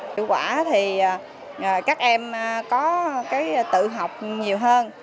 chủ quả thì các em có tự học nhiều hơn